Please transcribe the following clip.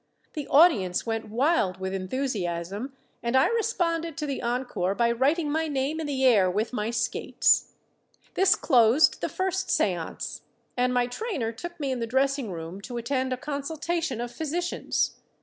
The audience went wild with enthusiasm, and I responded to the encore by writing my name in the air with my skates. This closed the first seance, and my trainer took me in the dressing room to attend a consultation of physicians.